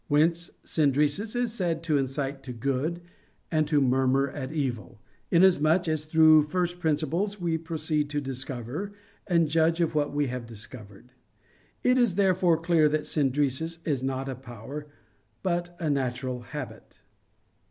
Whence "synderesis" is said to incite to good, and to murmur at evil, inasmuch as through first principles we proceed to discover, and judge of what we have discovered. It is therefore clear that "synderesis" is not a power, but a natural habit.